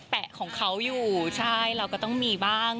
แปะของเขาอยู่ใช่เราก็ต้องมีบ้าง